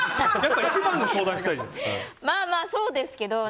まあまあ、そうですけど。